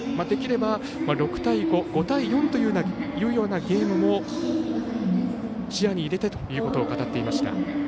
できれば、６対５５対４というようなゲームも視野に入れてと語っていました。